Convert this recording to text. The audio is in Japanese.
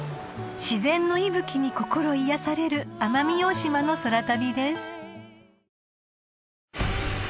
［自然の息吹に心癒やされる奄美大島の空旅です］